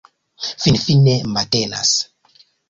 Finfine matenas.